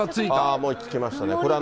もう着きましたね。